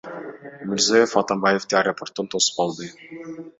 Мирзиёев Атамбаевди аэропорттон тосуп алды.